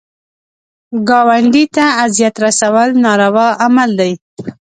ګاونډي ته اذیت رسول ناروا عمل دی